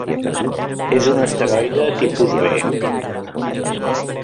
És un asteroide tipus B.